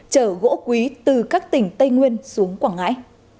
chở gỗ quý từ các tỉnh tây nguyên xuống quảng ngãi